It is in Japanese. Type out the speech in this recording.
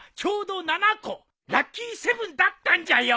ラッキーセブンだったんじゃよ。